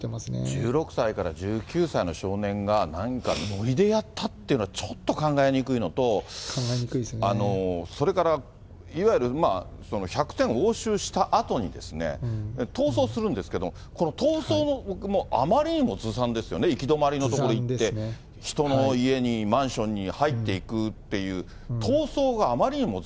１６歳から１９歳の少年が、何かのりでやったっていうのはちょっと考えにくいのと、それからいわゆる１００点押収したあとに、逃走するんですけれども、この逃走もあまりにもずさんですよね、行き止まりの所行って、人の家に、マンションに入っていくっていう、